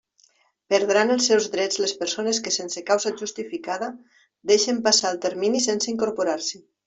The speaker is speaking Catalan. Perdran els seus drets les persones que sense causa justificada deixen passar el termini sense incorporar-s'hi.